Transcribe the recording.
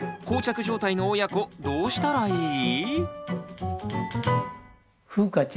こう着状態の親子どうしたらいい？